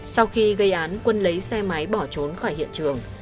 sau khi gây án quân lấy xe máy bỏ trốn khỏi hiện trường